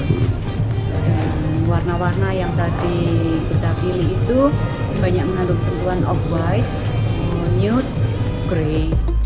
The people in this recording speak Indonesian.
dan warna warna yang tadi kita pilih itu banyak mengandung sentuhan off white nude grey